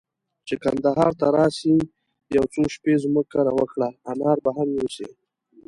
چي کندهار ته راسې، يو څو شپې زموږ کره وکړه، انار به هم يوسې.